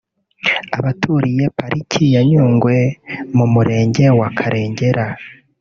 Abaturiye Pariki ya Nyungwe mu murenge wa Karengera